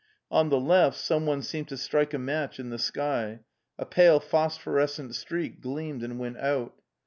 On the left someone seemed to strike a match in the sky; a pale phosphorescent streak gleamed and went out.